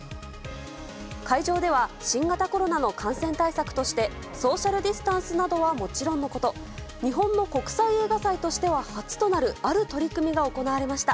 会場では新型コロナの感染対策としてソーシャルディスタンスなどはもちろんのこと日本の国際映画祭としては初となる、ある取り組みが行われました。